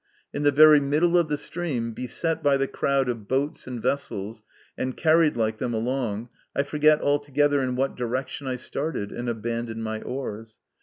In the very middle of the stream, beset by the crowd of boats and vessels, and carried like them along, I forget altogether in what direction I started, and abandon my oars.